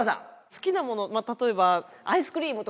好きなもの例えば。